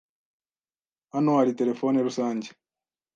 Hano hari terefone rusange.